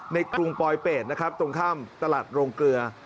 กรุงปลอยเป็ดนะครับตรงข้ามตลาดโรงเกลือ